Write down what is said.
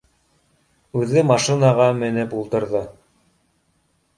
Үҙе машинаға ме неп ултырҙы